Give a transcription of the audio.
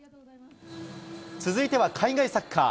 続いては海外サッカー。